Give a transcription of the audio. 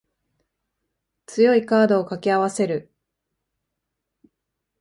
強いカードを掛け合わせる